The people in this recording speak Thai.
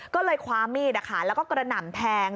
ก็เลยคว้ามิดและกระหน่ำแพง